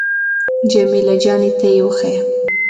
جمیله جانې ته يې وښيه.